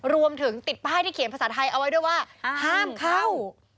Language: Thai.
ติดป้ายที่เขียนภาษาไทยเอาไว้ด้วยว่าห้ามเข้า